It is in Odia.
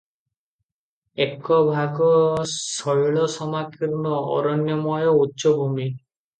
ଏକ ଭାଗ ଶୈଳସମାକୀର୍ଣ୍ଣ ଅରଣ୍ୟମୟ ଉଚ୍ଚଭୂମି ।